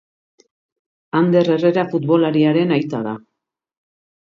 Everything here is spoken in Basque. Ander Herrera futbolariaren aita da.